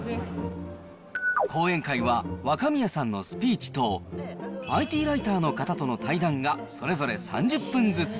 講演会は若宮さんのスピーチと、ＩＴライターの方との対談が、それぞれ３０分ずつ。